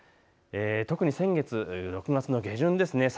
特に先月、６月の下旬です。